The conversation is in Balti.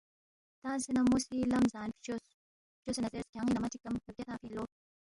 تنگسے نہ مو سی لم زان فچوس، فچوسے نہ زیرس، کھیان٘ی نمہ چِک کم بگیا تنگفی اِن لو